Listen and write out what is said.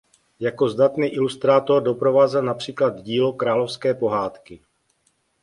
Jako zdatný ilustrátor doprovázel například dílo "Královské pohádky".